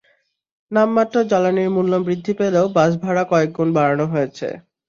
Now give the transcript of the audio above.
নামমাত্র জ্বালানির মূল্য বৃদ্ধি পেলেও বাস ভাড়া কয়েক গুণ বাড়ানো হয়েছে।